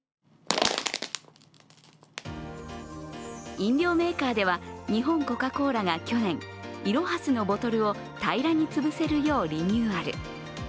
飲料メーカーでは日本コカ・コーラが去年い・ろ・は・すのボトルを平らに潰せるようリニューアル。